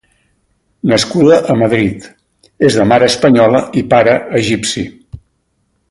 Nascuda a Madrid, és de mare espanyola i pare egipci.